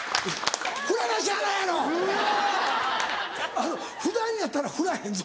あの普段やったらふらへんぞ。